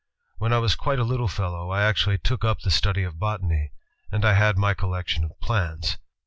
When I was quite a little fellow, I actually took up the study of botany, and I had my collection of plants.